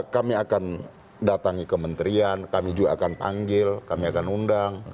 kami akan datang ke menterian kami juga akan panggil kami akan undang